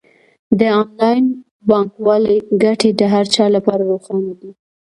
د انلاین بانکوالۍ ګټې د هر چا لپاره روښانه دي.